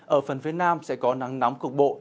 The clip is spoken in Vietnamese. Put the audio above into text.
ở phần phía nam sẽ có nắng nóng cục bộ